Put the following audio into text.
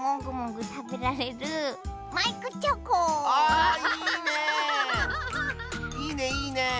あいいね！